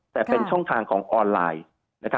แต่เป็นช่องทางของออนไลน์